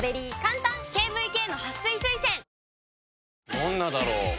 どんなだろう？